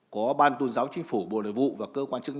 có ban tôn giáo chính phủ bộ nội vụ và cơ quan chức năng